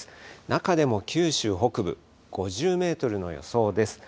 中でも九州北部、５０メートルの予想です。